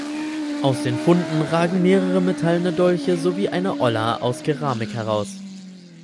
Aus den Funden ragen mehrere metallene Dolche sowie eine Olla aus Keramik heraus.